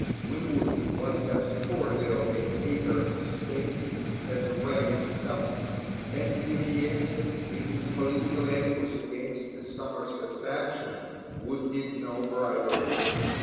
Winwood was as cordial a hater of Spain as Raleigh himself; and Villiers, in his political animus against the Somerset faction, would need no bribery.